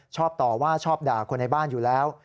ชอบต่อว่าชอบด่าคนในบ้านอยู่แล้ว